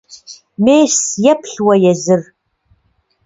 Мес, еплъ уэ езыр!